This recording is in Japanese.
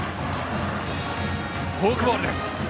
フォークボールです。